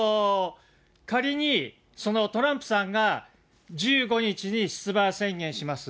仮に、そのトランプさんが、１５日に出馬宣言します。